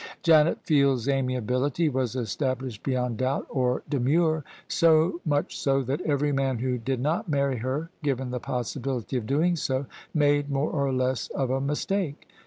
Janet Field*s amiability was established beyond doubt or demur; so much so that every man who did not marry her — given the possibility of doing so— made more or less of a mistake.